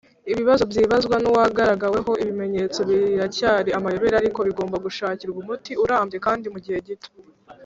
ibibazo byibazwa nuwagaragaweho ibimenyetso biracyari amayobera ariko bigomba gushakirwa umuti urambye kandi mugihe gito.